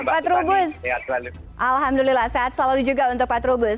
pak trubus alhamdulillah sehat selalu juga untuk pak trubus